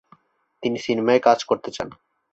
তিনি সিনেমায় কাজ করতে চান।